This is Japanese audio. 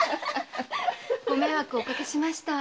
ご迷惑をおかけしました。